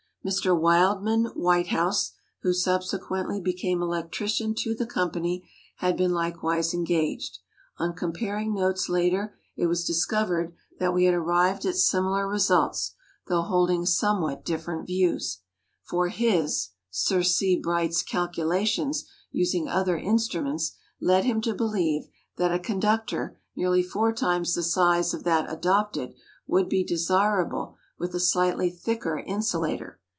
Mr. Wildman Whitehouse, who subsequently became electrician to the company, had been likewise engaged. On comparing notes later, it was discovered that we had arrived at similar results, though holding somewhat different views, for his (Sir C. Bright's) calculations, using other instruments, led him to believe that a conductor nearly four times the size of that adopted would be desirable with a slightly thicker insulator.